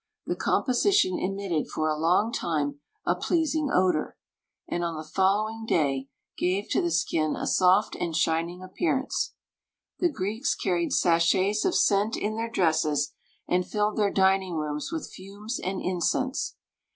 The composition emitted for a long time a pleasing odor, and on the following day gave to the skin a soft and shining appearance. The Greeks carried sachets of scent in their dresses, and filled their dining rooms with fumes and incense.